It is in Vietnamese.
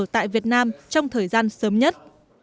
tại việt nam trong thời gian sớm nhất